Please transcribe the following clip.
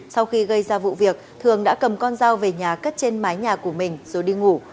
sau khi gây ra vụ việc thường đã cầm con dao về nhà cất trên mái nhà của mình rồi đi ngủ